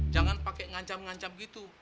jangan pakai ngancam ngancam gitu